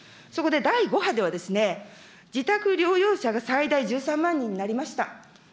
そこで第５波では、自宅療養者が最大１３万人になりました。